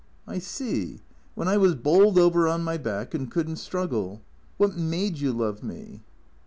" I see. When I was bowled over on my back and could n't struggle. What made you love me